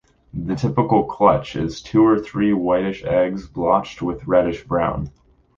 The typical clutch is two or three whitish eggs blotched with reddish brown.